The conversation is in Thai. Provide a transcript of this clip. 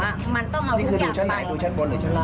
มันต้องเอาทุกอย่างไปนี่คือดูชั้นไหนดูชั้นบนหรือชั้นล่าง